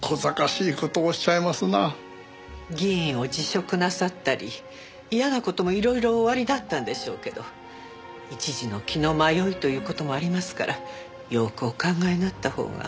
議員を辞職なさったり嫌な事もいろいろおありだったんでしょうけど一時の気の迷いという事もありますからよくお考えになったほうが。